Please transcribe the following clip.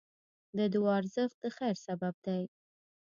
د دعا ارزښت د خیر سبب دی.